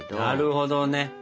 なるほどね。